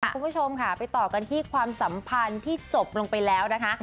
คุณผู้ชมค่ะไปต่อกันที่ความสัมพันธ์ที่จบลงไปแล้วนะคะ